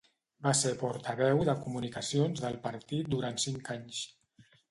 Va ser portaveu de comunicacions del partit durant cinc anys.